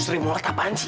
srimulat apaan sih